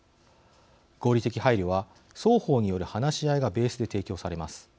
合理的配慮は双方による話し合いがベースで提供されます。